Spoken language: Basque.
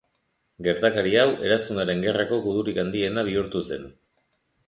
Gertakari hau Eraztunaren Gerrako gudurik handiena bihurtu zen.